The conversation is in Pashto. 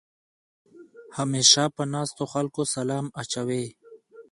همېشه په ناستو خلکو سلام اچوې.